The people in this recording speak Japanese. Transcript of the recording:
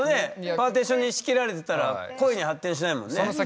パーティションに仕切られてたら恋に発展しないもんね。